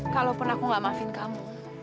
kalaupun aku gak maafin kamu